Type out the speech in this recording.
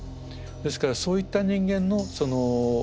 ですからそういった人間のその思い